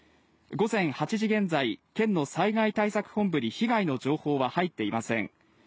午前８時現在、県の差異が対策本部に被害の状況は入っていません。